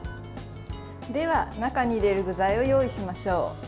では、中に入れる具材を用意しましょう。